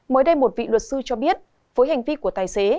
mới đây một vị luật sư cho biết với hành vi của tài xế